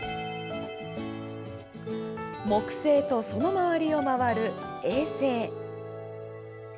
木星と、その周りを回る衛星。